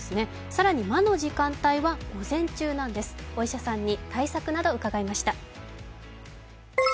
更に、魔の時間帯は午前中なんですお医者さんに対策など伺いました。